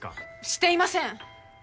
していません！